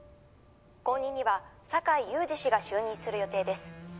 後任には坂井佑二氏が就任する予定です。